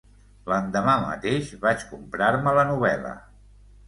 L'endemà mateix vaig comprar-me la novel·la.